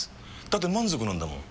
だって満足なんだもん。